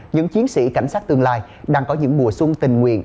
những chiến sĩ cảnh sát tương lai đang có những mùa xuân tình nguyện